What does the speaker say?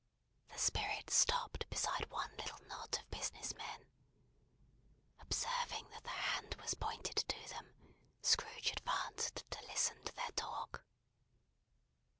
The Spirit stopped beside one little knot of business men. Observing that the hand was pointed to them, Scrooge advanced to listen to their talk.